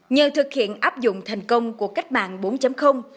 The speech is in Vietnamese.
nhờ thực hiện áp dụng thành công của cách mạng bốn